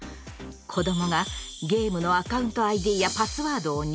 子どもがゲームのアカウントＩＤやパスワードを入力。